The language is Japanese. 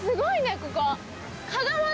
ここ。